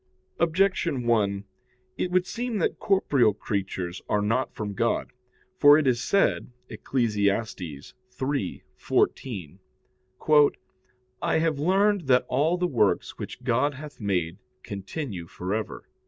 Objection 1: It would seem that corporeal creatures are not from God. For it is said (Eccles. 3:14): "I have learned that all the works which God hath made, continue for ever."